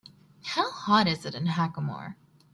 How hot is it in Hackamore